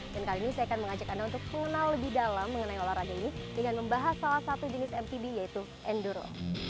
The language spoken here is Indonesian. dan kali ini saya akan mengajak anda untuk mengenal lebih dalam mengenai olahraga ini dengan membahas salah satu jenis mtb yaitu enduro